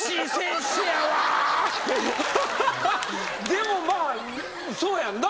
でもまあそうやんな。